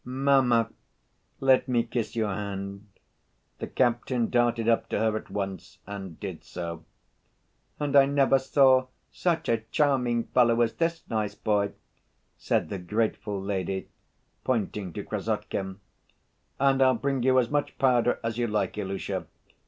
"Mamma, let me kiss your hand." The captain darted up to her at once and did so. "And I never saw such a charming fellow as this nice boy," said the grateful lady, pointing to Krassotkin. "And I'll bring you as much powder as you like, Ilusha.